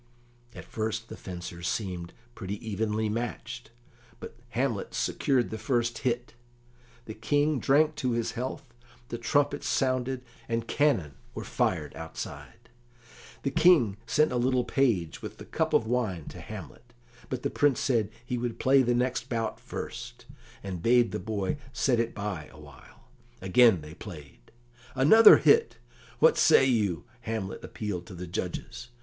At first the fencers seemed pretty evenly matched, but Hamlet secured the first hit. The King drank to his health, the trumpets sounded, and cannon were fired outside. The King sent a little page with the cup of wine to Hamlet, but the Prince said he would play the next bout first, and bade the boy set it by awhile. Again they played. "Another hit! What say you?" Hamlet appealed to the judges.